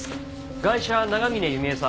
ガイシャは永峰弓江さん